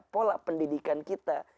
pola pendidikan kita